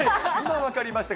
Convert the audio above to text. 今分かりましたか。